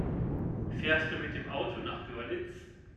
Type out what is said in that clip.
Fährst du mit dem Auto nach Görlitz?